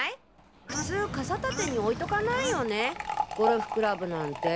普通傘立てに置いとかないよね？ゴルフクラブなんて。